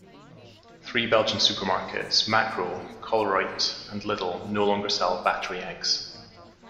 Three Belgian supermarkets: Makro, Colruyt and Lidl, no longer sell battery eggs.